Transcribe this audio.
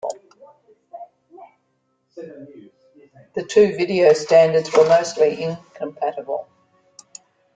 The two video standards were mostly incompatible.